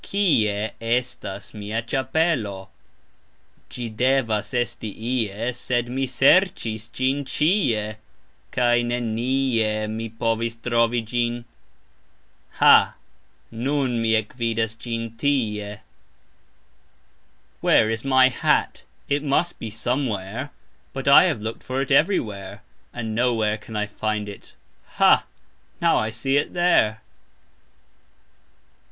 "Kie" estas mia cxapelo? Gxi devas esti "ie", sed mi sercxis gxin "cxie", kaj "nenie" mi povas trovi gxin. Ha, nun mi ekvidas gxin "tie". "Where" is my hat? It must be "somewhere", but I have looked for it "everywhere", and "nowhere" can I find it. Ha, now I see it "there".